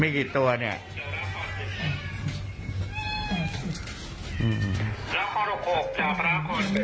มีกี่ตัวนี่